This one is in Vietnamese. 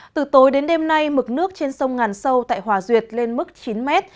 từ tối đến đêm nay mực nước trên sông ngàn sâu tại hòa duyệt lên mức chín m